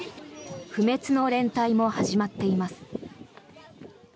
不滅の連隊も始まっています。